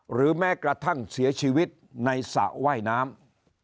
หรือแม้กระทั่งเสียชีวิตในสระว่ายน้ำ